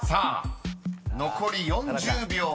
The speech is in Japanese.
［残り４０秒７０］